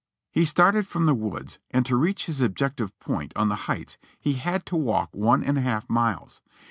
He started from the woods, and to reach his objective point on the heights he had to walk one and a half miles.